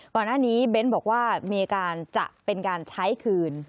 ก่อนหน้านี้เบ้นบอกว่าอเมริการจะเป็นการใช้คืน